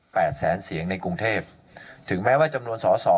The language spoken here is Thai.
แสนเสียงในกรุงเทพถึงแม้ว่าจำนวนสอสอ